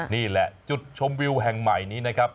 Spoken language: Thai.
นี่แหละจุดชมวิวแห่งใหม่นี้นะครับ